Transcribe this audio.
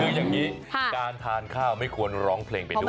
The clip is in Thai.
คืออย่างนี้การทานข้าวไม่ควรร้องเพลงไปด้วย